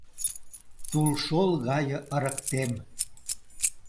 Тулшол гае ырыктем